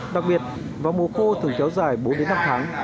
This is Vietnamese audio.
đặc biệt vào mùa khô thường kéo dài bốn năm tháng